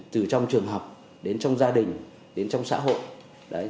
từ trong trường học đến trong gia đình đến trong xã hội